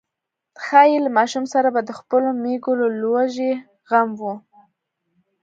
ښايي له ماشوم سره به د خپلو مېږو د لوږې غم و.